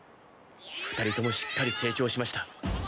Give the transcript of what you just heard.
２人ともしっかり成長しました。